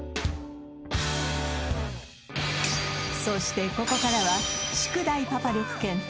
そしてここからは宿題パパ力検定